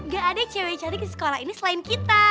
gak ada cewek cantik di sekolah ini selain kita